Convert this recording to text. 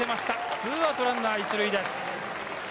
２アウト、ランナー１塁です。